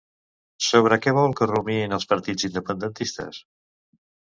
Sobre què vol que rumiïn els partits independentistes?